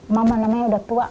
mama namanya udah tua